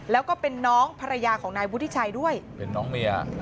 แล้วก็เป็นน้องภรรยาของนายวุฒิชัยด้วยเป็นน้องเมีย